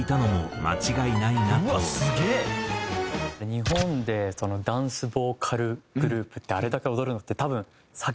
日本でダンスボーカルグループであれだけ踊るのって多分。